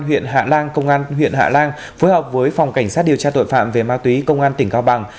đồng loan công an huyện hạ lan phối hợp với phòng cảnh sát điều tra tội phạm về ma túy công an tỉnh cao bằng